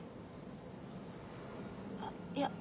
あっいや